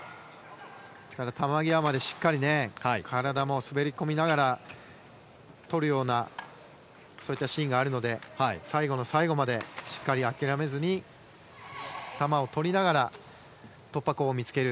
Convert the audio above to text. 球際までしっかり体も滑り込みながらとるようなシーンがあるので最後の最後までしっかり諦めずに球をとりながら突破口を見つける。